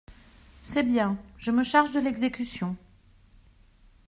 C’est bien, je me charge de l’exécution.